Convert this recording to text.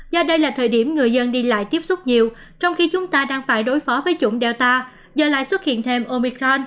do đây là thời điểm người dân đi lại tiếp xúc nhiều trong khi chúng ta đang phải đối phó với chủng delta giờ lại xuất hiện thêm omicron